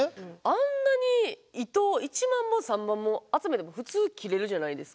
あんなに糸１万も３万も集めても普通切れるじゃないですか。